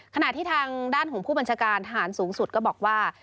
ขณะที่ทางด้านของผู้บัญชาการทหารสูงสุดก็บอกว่า